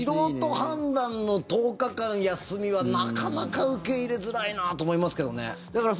素人判断の１０日間休みはなかなか受け入れづらいなと思いますけどね。